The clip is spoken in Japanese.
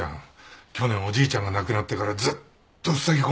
去年おじいちゃんが亡くなってからずっとふさぎ込んでるんだよ。